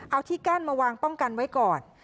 เอาที่กั้นมาวางป้องกันไว้ก่อน